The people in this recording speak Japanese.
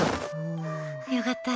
良かった。